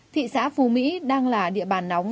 thị xã phú mỹ đang là địa bàn nóng